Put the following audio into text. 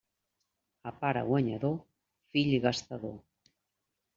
A pare guanyador, fill gastador.